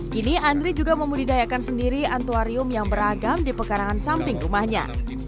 kini andri juga membudidayakan sendiri antuarium yang beragam di pekarangan samping rumahnya